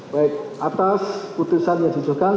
baik atas putusan yang ditujuhkan